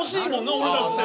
俺だって。